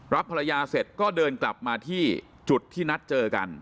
รับภรรยาเสร็จก็เดินกลับมาที่จุดที่นัดเจอกัน